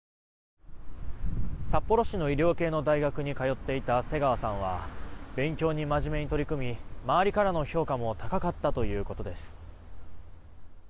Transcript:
札幌市の医療系の大学に通っていた瀬川さんは勉強に真面目に取り組み周りからの評価も高かったということです。